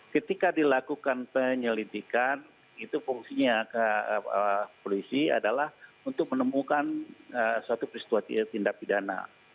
ketika dilakukan penyelidikan itu fungsinya kepolisi adalah untuk menemukan suatu peristua tindak pidana